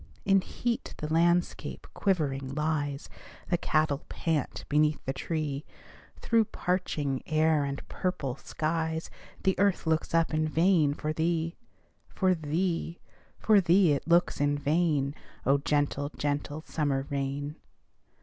In heat the landscape quivering lies, The cattle pant beneath the tree; Through parching air and purple skies The earth looks up, in vain, for thee; For thee for thee it looks in vain, Oh, gentle, gentle summer rain!